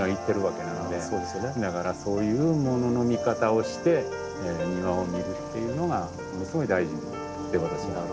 だからそういうものの見方をして庭を見るっていうのがものすごい大事って私は。